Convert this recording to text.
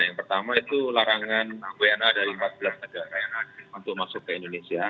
yang pertama itu larangan wna dari empat belas negara yang hadir untuk masuk ke indonesia